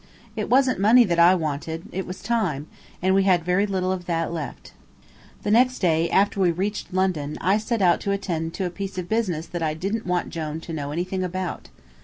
It wasn't money that I wanted; it was time, and we had very little of that left. The next day, after we reached London, I set out to attend to a piece of business that I didn't want Jone to know anything about.